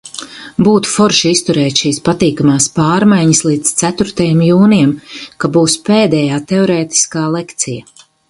Būtu forši izturēt šīs patīkamās pārmaiņas līdz ceturtajam jūnijam, ka būs pēdējā teorētiskā lekcija.